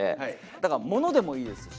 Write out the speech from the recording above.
だからものでもいいですし。